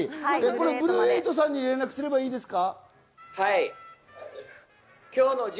ブルーエイトさんに連絡すればいいですか？